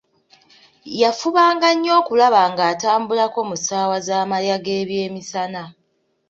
Yafubanga nnyo okulaba nga atambulako mu ssaawa z'amalya g'ebyemisana.